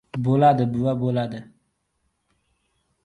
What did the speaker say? — Bo‘ladi, bova, bo‘ladi.